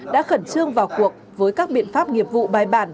đã khẩn trương vào cuộc với các biện pháp nghiệp vụ bài bản